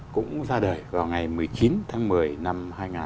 cũng ra đời vào ngày một mươi chín tháng một mươi năm hai nghìn một mươi tám